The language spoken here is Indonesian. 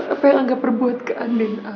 apa yang gak perbuat ke andin al